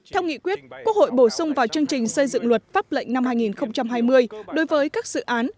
theo nghị quyết quốc hội bổ sung vào chương trình xây dựng luật pháp lệnh năm hai nghìn hai mươi đối với các dự án